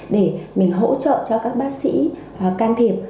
để mình hỗ trợ cho các bác sĩ can thiệp